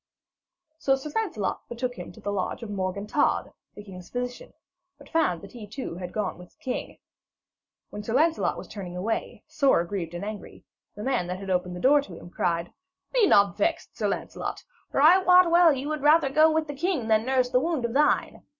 So Sir Lancelot betook him to the lodging of Morgan Todd, the king's physician, but found that he too had gone with the king. When Sir Lancelot was turning away, sore aggrieved and angry, the man that had opened the door to him cried: 'Be not vexed, Sir Lancelot, for I wot well you would rather go with the king than nurse that wound of thine.